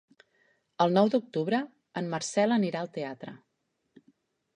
El nou d'octubre en Marcel anirà al teatre.